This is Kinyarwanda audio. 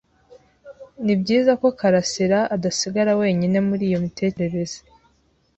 Nibyiza ko karasira adasigara wenyine muri iyo mitekerereze.